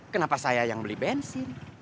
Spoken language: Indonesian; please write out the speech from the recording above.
kenapa saya yang beli bensin